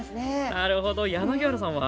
なるほど柳原さんは？